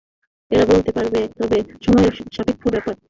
এরা বলতে পারবে, তবে সময়সাপেক্ষ ব্যাপার।